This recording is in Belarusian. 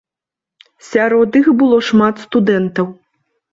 Сярод іх было шмат студэнтаў.